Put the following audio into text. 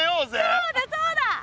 そうだそうだ。